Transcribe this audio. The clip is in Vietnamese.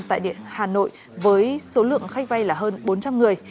tại hà nội với số lượng khách vay là hơn bốn trăm linh người